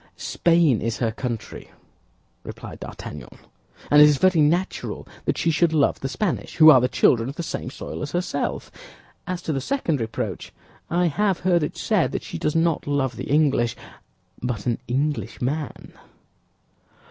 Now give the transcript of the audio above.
"Spain is her country," replied D'Artagnan; "and it is very natural that she should love the Spanish, who are the children of the same soil as herself. As to the second reproach, I have heard it said that she does not love the English, but an Englishman."